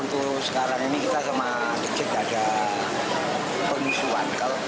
untuk sekarang ini kita sama the jack ada pengusuhan